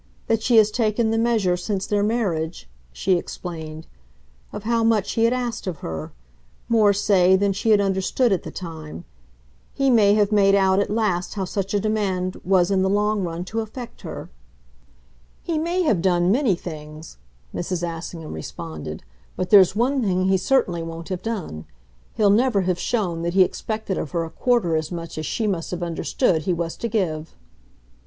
That she has taken the measure, since their marriage," she explained, "of how much he had asked of her more, say, than she had understood at the time. He may have made out at last how such a demand was, in the long run, to affect her." "He may have done many things," Mrs. Assingham responded; "but there's one thing he certainly won't have done. He'll never have shown that he expected of her a quarter as much as she must have understood he was to give."